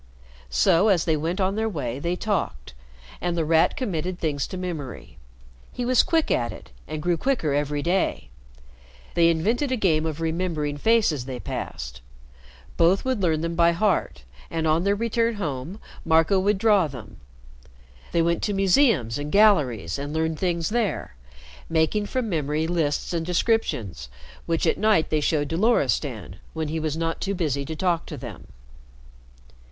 So, as they went on their way, they talked, and The Rat committed things to memory. He was quick at it, and grew quicker every day. They invented a game of remembering faces they passed. Both would learn them by heart, and on their return home Marco would draw them. They went to the museums and galleries and learned things there, making from memory lists and descriptions which at night they showed to Loristan, when he was not too busy to talk to them.